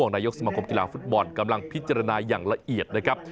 นายกสมคมกีฬาฟุตบอลกำลังพิจารณาอย่างละเอียดนะครับ